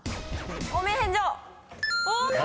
汚名返上。